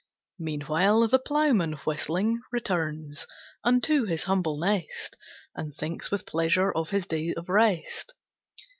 Meanwhile the ploughman, whistling, returns Unto his humble nest, And thinks with pleasure of his day of rest.